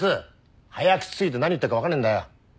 早口過ぎて何言ってっか分かんねえんだよ。